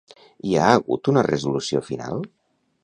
Hi ha hagut una resolució final?